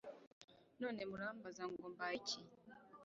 none murambaza ngo mbaye iki